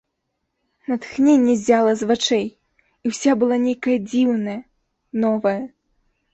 Натхненне ззяла з вачэй, і ўся была нейкая дзіўная, новая.